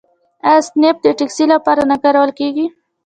آیا اسنپ د ټکسي لپاره نه کارول کیږي؟